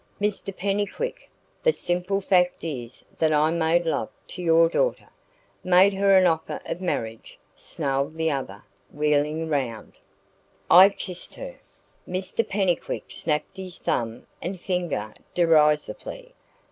"Mr Pennycuick, the simple fact is that I made love to your daughter " "Made her an offer of marriage?" snarled the other, wheeling round. "I kissed her " Mr Pennycuick snapped his thumb and finger derisively.